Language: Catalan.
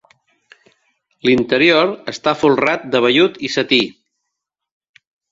L'interior està folrat de vellut i setí.